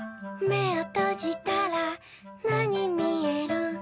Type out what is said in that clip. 「めをとじたらなにみえる？」